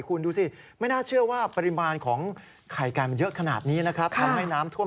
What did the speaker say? คุณดูนะทะลักอย่างรวดเร็วมากเดี๋ยวคุณดู